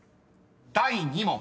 ［第２問］